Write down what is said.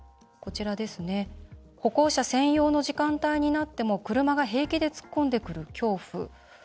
歩行者専用の時間帯になっても車が平気で突っ込んでくる恐怖。